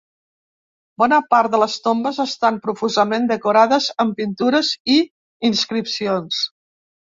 Bona part de les tombes estan profusament decorades amb pintures i inscripcions.